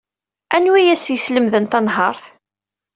Anwa ay as-yeslemden tanhaṛt?